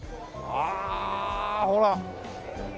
ああほら！